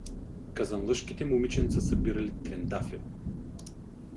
Казанлъшките момиченца събирали трендафил.